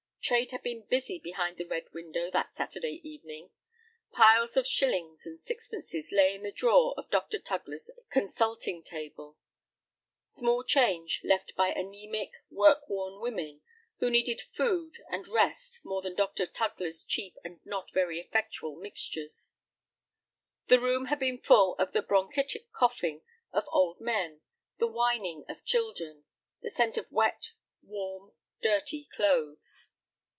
Trade had been busy behind the red window that Saturday evening. Piles of shillings and sixpences lay in the drawer of Dr. Tugler's consulting table, small change left by anæmic, work worn women, who needed food and rest more than Dr. Tugler's cheap and not very effectual mixtures. The room had been full of the bronchitic coughing of old men, the whining of children, the scent of wet, warm, dirty clothes.